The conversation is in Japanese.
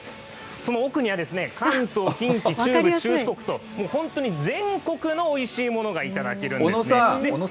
その奥には関東、近畿、中部、中四国と、本当に全国のおいしいものが頂けるんですね。